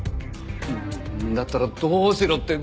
だったらどうしろって？